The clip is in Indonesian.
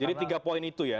jadi tiga poin itu ya